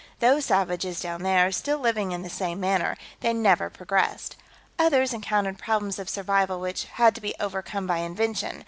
Those savages, down there, are still living in the same manner; they never progressed. Others encountered problems of survival which had to be overcome by invention.